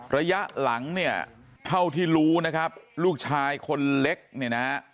ระยะหลังเนี่ยเท่าที่รู้นะครับลูกชายคนเล็กเนี่ยนะฮะ